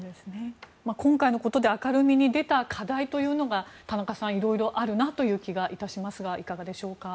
今回のことで明るみに出た課題というのが、田中さんいろいろあるなという気がしますがいかがでしょうか。